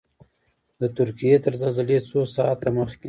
د ترکیې تر زلزلې څو ساعته مخکې.